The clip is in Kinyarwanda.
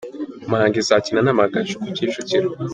Muhanga izakina n’Amagaju ku Kicukiro.